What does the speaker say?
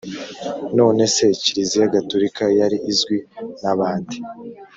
none se kiliziya gaturika yari izwi na ba nde’